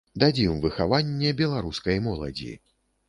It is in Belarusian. Дадзім выхаванне беларускай моладзі.